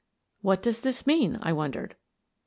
" What does this mean? " I wondered.